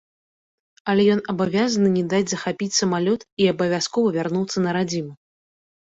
Але ён абавязаны не даць захапіць самалёт і абавязкова вярнуцца на радзіму.